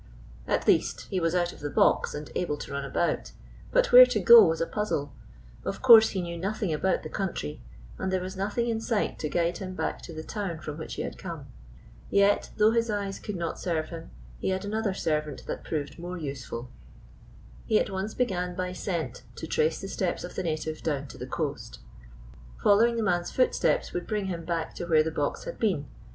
At least he was out of the box and able to run about ; but where to go was a puzzle. Of course, he knew nothing about the country, and there was nothing in sight to guide him back to the town from which he had come. Yet, though his eyes could not serve him, he had another servant that proved more useful. He at once 160 GyPsv — 6 . "GYPSY CRAWLED SOFTLY OUT, AND WAS FREE! " See p. 160 .■■& WHAT GYPSY FOUND began by scent to trace the steps of the native down to the coast. Following the man's footsteps would bring him back to where the box had been.